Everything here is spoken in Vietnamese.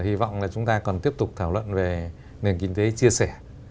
hy vọng là chúng ta còn tiếp tục thảo luận về nền kinh tế chia sẻ